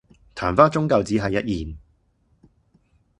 曇花終究只係一現